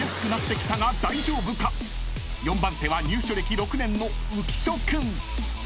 ［４番手は入所歴６年の浮所君］